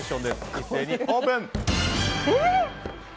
一斉にオープン！